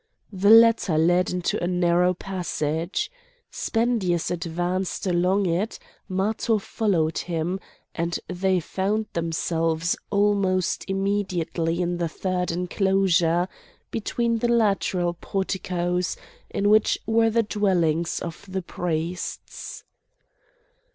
The latter led into a narrow passage. Spendius advanced along it, Matho followed him, and they found themselves almost immediately in the third enclosure, between the lateral porticoes, in which were the dwellings of the priests.